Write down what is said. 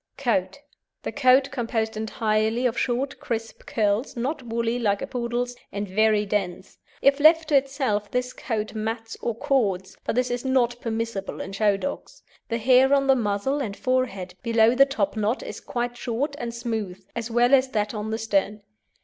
COAT The coat composed entirely of short crisp curls, not woolly like a Poodle's, and very dense. If left to itself, this coat mats or cords, but this is not permissible in show dogs. The hair on the muzzle and forehead below the topknot is quite short and smooth, as well as that on the stern.